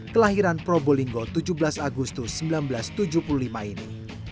kelahiran probolinggo tujuh belas agustus seribu sembilan ratus tujuh puluh lima ini